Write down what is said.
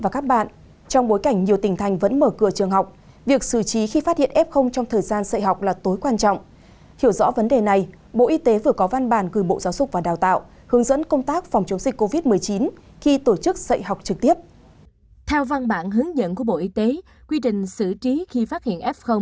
các bạn hãy đăng ký kênh để ủng hộ kênh của chúng mình nhé